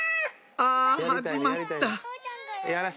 あ始まった！